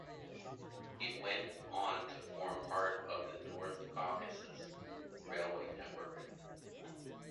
It went on to form part of the North Caucasus Railway network.